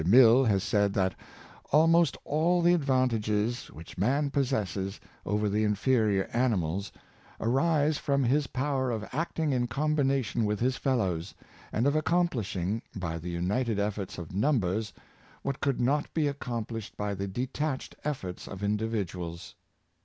Mill has said that "almost all the advantages which man possesses over the inferior animals arise from his power of acting in combination with his fellows, and of accomplishing, by the united efforts of numbers, what Principle of Association. 423 could not be accomplished by the detached efforts of individuals."